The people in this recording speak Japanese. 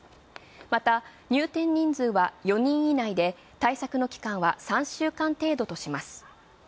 また、入店人数は４人以内で対策の期間は３週間程度とします。